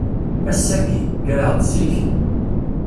Ass-agi, kkreɣ-d zik.